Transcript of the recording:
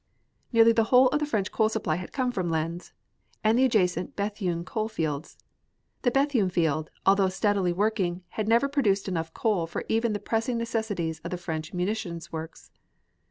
Nearly the whole of the French coal supply had come from Lens and the adjacent Bethune coal fields. The Bethune field, although steadily working, had never produced enough coal for even the pressing necessities of the French munition works.